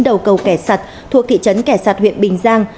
đầu cầu kẻ sật thuộc thị trấn kẻ sật huyện bình giang